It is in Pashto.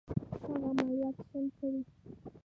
هغه عملیات شنډ کړي.